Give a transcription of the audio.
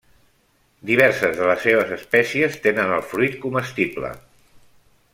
Diverses de les seves espècies tenen el fruit comestible.